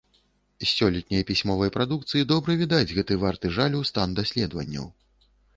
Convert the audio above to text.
З сёлетняй пісьмовай прадукцыі добра відаць гэты варты жалю стан даследаванняў.